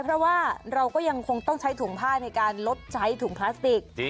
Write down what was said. เพราะว่าเราก็ยังคงต้องใช้ถุงผ้าในการลดใช้ถุงพลาสติก